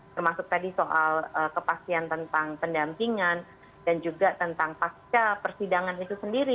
termasuk tadi soal kepastian tentang pendampingan dan juga tentang pasca persidangan itu sendiri